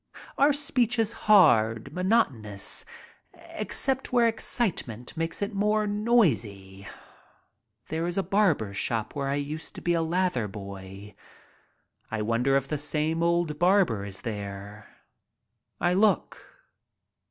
Our speech is hard, monotonous, except where excitement makes it more noisy. There is a barber shop where I used to be the lather boy. I wonder if the same old barber is still there? I look.